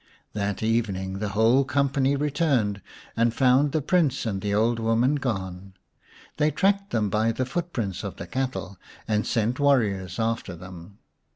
That evening the whole company returned and found the Prince and the old woman gone. They tracked them by the footprints of the cattle, and sent warriors after them.